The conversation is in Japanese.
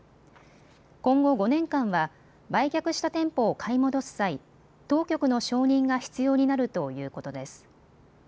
今後５年間は売却した店舗を買い戻す際、当局の承認が必要になるということです。